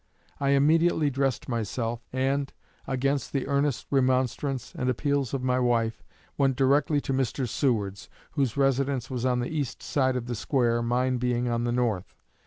I immediately dressed myself, and, against the earnest remonstrance and appeals of my wife, went directly to Mr. Seward's, whose residence was on the east side of the square, mine being on the north....